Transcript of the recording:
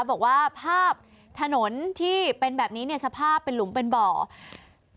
บอกว่าภาพถนนที่เป็นแบบนี้เนี่ยสภาพเป็นหลุมเป็นบ่อ